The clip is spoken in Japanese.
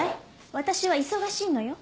私は忙しいのよ。